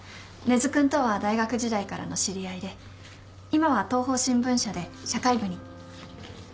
根津君とは大学時代からの知り合いで今は東報新聞社で社会部に。